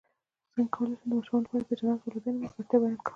څنګه کولی شم د ماشومانو لپاره د جنت د والدینو ملګرتیا بیان کړم